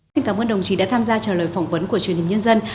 xin cảm ơn đồng chí đã tham gia trả lời phỏng vấn của truyền hình nhân dân